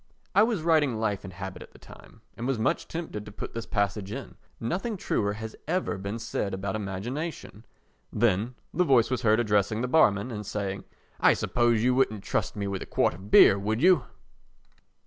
I was writing Life and Habit at the time and was much tempted to put this passage in. Nothing truer has ever been said about imagination. Then the voice was heard addressing the barman and saying: "I suppose you wouldn't trust me with a quart of beer, would you?"